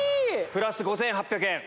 プラス５８００円。